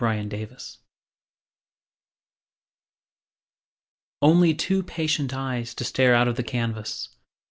FADED PICTURES Only two patient eyes to stare Out of the canvas.